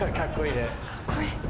かっこいいね。